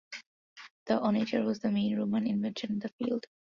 The onager was the main Roman invention in the field.